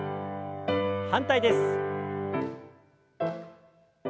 反対です。